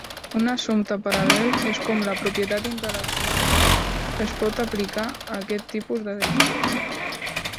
Un assumpte paral·lel és com la propietat intel·lectual es pot aplicar a aquest tipus de descripcions.